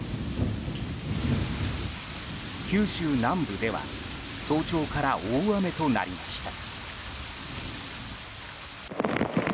九州南部では早朝から大雨となりました。